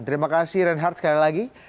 terima kasih reinhardt sekali lagi